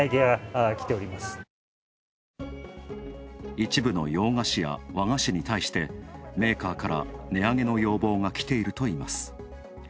一部の洋菓子や和菓子に対してメーカーから値上げの要望がきているといいます。